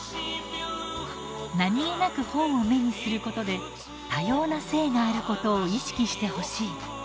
何気なく本を目にすることで多様な性があることを意識してほしい。